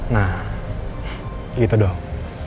nah gitu dong